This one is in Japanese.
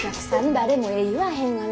誰もええ言わへんがな。